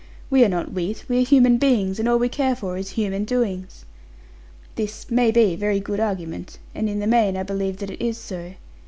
We are not wheat: we are human beings: and all we care for is human doings.' This may be very good argument, and in the main, I believe that it is so.